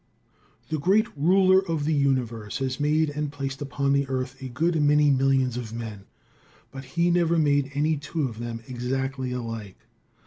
The Great Ruler of the universe has made and placed upon the earth a good many millions of men, but He never made any two of them exactly alike.